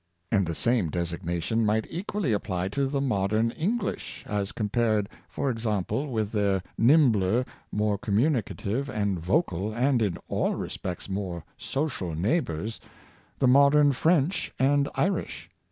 And the same designa tion might equally apply to the modern EngHsh, as compared, for example, with their nimbler, more com municative and vocal, and in all respects, more social neighbors, the modern French and Irish.